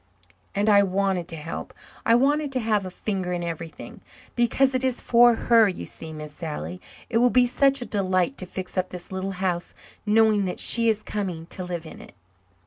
And I wanted to help. I wanted to have a finger in everything, because it is for her, you see, Miss Sally. It will be such a delight to fix up this little house, knowing that she is coming to live in it."